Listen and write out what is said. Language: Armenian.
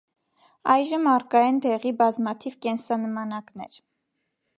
Այժմ առկա են դեղի բազմաթիվ կենսանմանակներ։